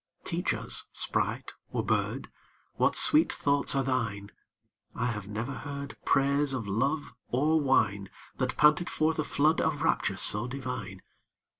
Teach us, sprite or bird, What sweet thoughts are thine: I have never heard Praise of love or wine That panted forth a flood of rapture so divine.